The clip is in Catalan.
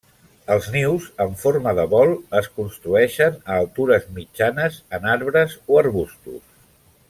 Els nius, en forma de bol, es construeixen a altures mitjanes en arbres o arbustos.